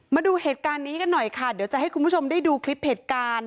มาดูเหตุการณ์นี้กันหน่อยค่ะเดี๋ยวจะให้คุณผู้ชมได้ดูคลิปเหตุการณ์